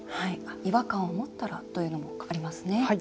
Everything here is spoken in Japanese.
違和感を持ったらというのもありますね。